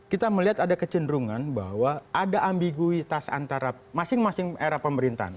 kita melihat ada kecenderungan bahwa ada ambiguitas antara masing masing era pemerintahan